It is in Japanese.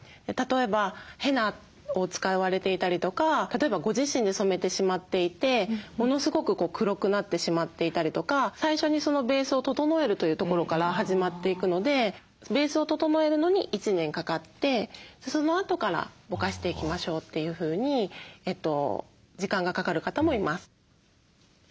例えばヘナを使われていたりとか例えばご自身で染めてしまっていてものすごく黒くなってしまっていたりとか最初にベースを整えるというところから始まっていくのでベースを整えるのに１年かかってそのあとからぼかしていきましょうというふうに時間がかかる方もいます。